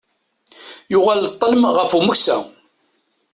Yuɣal ṭṭelm ɣef umeksa.